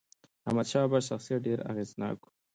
د احمدشاه بابا شخصیت ډېر اغېزناک و.